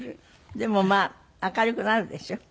でもまあ明るくなるでしょ。